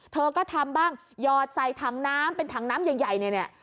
เธอก็ทำบ้างหยอดใส่ถังน้ำเป็นถังน้ำใหญ่เนี่ย